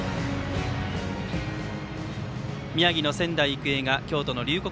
宮城の仙台育英が京都の龍谷